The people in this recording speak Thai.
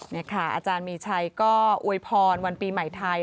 นี่ค่ะอาจารย์มีชัยก็อวยพรวันปีใหม่ไทย